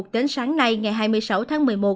đến sáng nay ngày hai mươi sáu tháng một mươi một